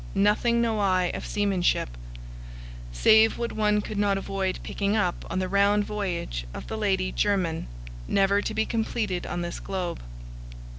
Nothing know I of seamanship, save what one could not avoid picking up on the round voyage of the Lady Jermyn, never to be completed on this globe.